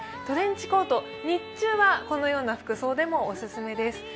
トレンチコート、日中はこのような服装オススメです。